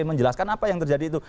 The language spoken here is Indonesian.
menjelaskan apa yang terjadi itu